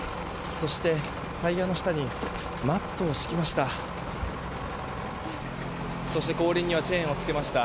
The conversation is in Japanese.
そして、タイヤの下にマットを敷きました。